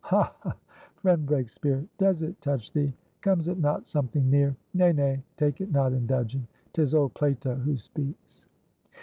'Ha, ha, friend Breakspeare! Does it touch thee? 'Comes it not something near?'Nay, nay, take it not in dudgeon! 'Tis old Plato who speaks."